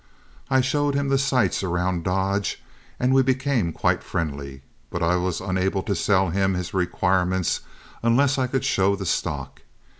I showed him the sights around Dodge and we became quite friendly, but I was unable to sell him his requirements unless I could show the stock.